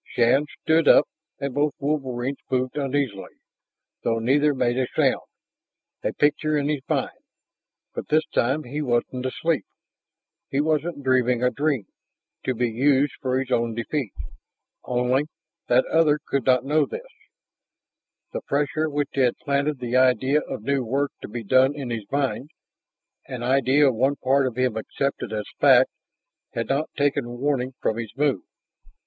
Shann stood up and both wolverines moved uneasily, though neither made a sound. A picture in his mind! But this time he wasn't asleep; he wasn't dreaming a dream to be used for his own defeat. Only (that other could not know this) the pressure which had planted the idea of new work to be done in his mind an idea one part of him accepted as fact had not taken warning from his move.